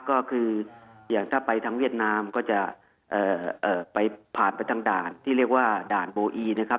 ก็คืออย่างถ้าไปทางเวียดนามก็จะไปผ่านไปทางด่านที่เรียกว่าด่านโบอีนะครับ